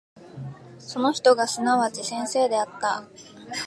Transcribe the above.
その人がすなわち先生であった。